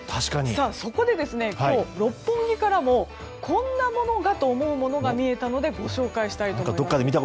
そこで今日、六本木からもこんなものがというものも見えたのでご紹介したいと思います。